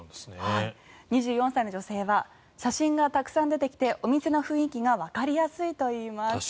２４歳の女性は写真がたくさん出てきてお店の雰囲気がわかりやすいといいます。